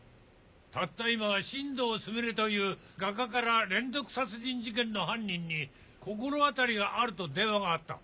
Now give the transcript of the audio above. たった今新堂すみれという画家から連続殺人事件の犯人に心当たりがあると電話があった。